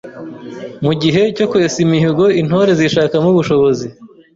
Mu gihe cyo kwesa imihigo, Intore zishakamo ubushobozi.